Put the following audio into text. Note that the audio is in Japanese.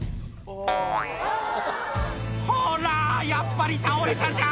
ほら、やっぱり倒れたじゃん。